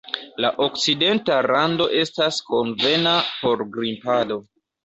La Okcidenta rando estas konvena por grimpado.